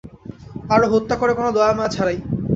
আর ও হত্যা করে কোন দয়ামায়া ছাড়াই।